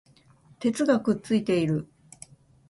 鉄がくっついている